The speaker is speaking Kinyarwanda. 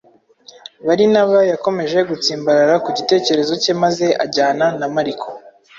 Barinaba yakomeje gutsimbarara ku gitekerezo cye maze ajyana na Mariko